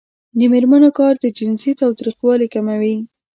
د میرمنو کار د جنسي تاوتریخوالي کموي.